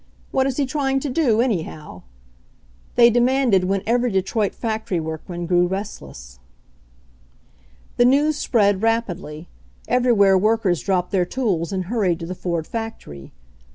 What is he trying to do, anyhow?" they demanded when every Detroit factory work man grew restless. The news spread rapidly. Everywhere work ers dropped their tools and hurried to the Ford factory.